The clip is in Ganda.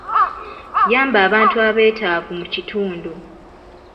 Yamba abantu abeetaavu mu kitundu.